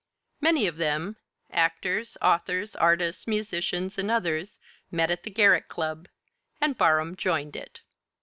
Many of them actors, authors, artists, musicians, and others met at the Garrick Club, and Barham joined it.